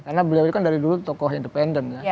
karena beliau kan dari dulu tokoh independen ya